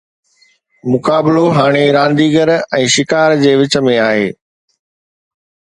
مقابلو هاڻي رانديگر ۽ شڪار جي وچ ۾ آهي.